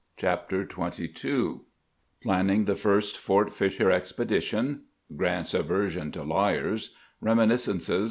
CHAPTER XXII PLANNING THE FIRST FOKT FISHER EXPEDITION — GEANT'S AVERSION TO LIARS — REMINISCENCES